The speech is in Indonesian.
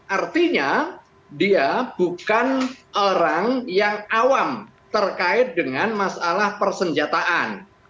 artinya dia bukan orang yang awam terkait dengan masalah persenjataan